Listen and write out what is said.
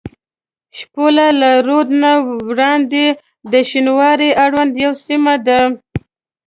شپوله له رود نه وړاندې د شینوارو اړوند یوه سیمه ده.